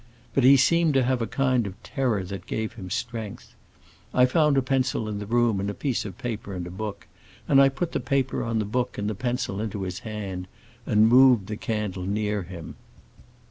But he seemed to have a kind of terror that gave him strength. I found a pencil in the room and a piece of paper and a book, and I put the paper on the book and the pencil into his hand, and moved the candle near him.